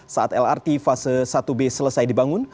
saat lrt fase satu b selesai dibangun